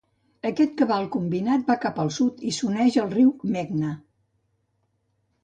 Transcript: Aquest cabdal combinat va cap al sud i s'uneix al riu Meghna.